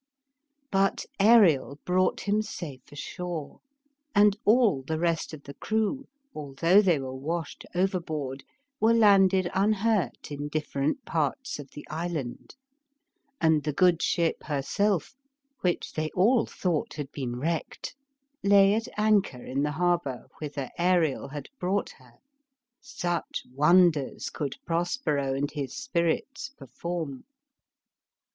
But Ariel brought him ^Wsli^^x. 14 THB CHILDREN'S SHAKESPEARE. safe ashore; and all the rest of the crew, although they were washed overboard, were landed unhurt in different parts of the island, and the good ship herself, which they all thought had been wrecked, lay at anchor in the harbor whither Ariel had brought her. Such wonders could Prospero and his spirits perform.